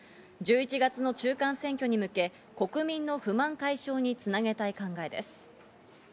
１１月の中間選挙に向け、国民の不満解消につなげたい考えです。